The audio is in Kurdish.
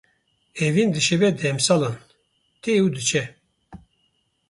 Evîn dişibe demsalan; tê û diçe.